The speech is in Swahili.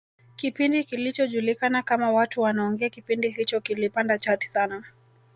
kipindi kilichojulikana kama watu wanaongea kipindi hicho kilipanda chati sana